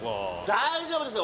大丈夫ですよ。